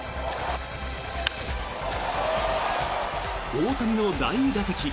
大谷の第２打席。